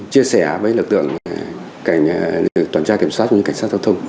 chia sẻ với lực lượng cảnh toàn tra kiểm soát của những cảnh sát giao thông